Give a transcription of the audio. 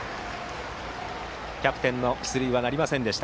キャプテンの出塁はなりませんでした。